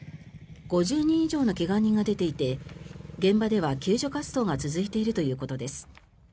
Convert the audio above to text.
５０人以上の怪我人が出ていて現場では救助活動が続いているということです。